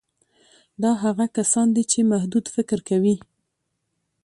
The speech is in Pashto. دا هغه کسان دي چې محدود فکر کوي